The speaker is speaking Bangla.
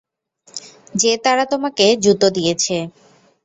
যে তারা তোমাকে জুতো দিয়েছে।